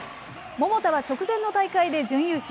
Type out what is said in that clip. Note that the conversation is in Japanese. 桃田は直前の大会で準優勝。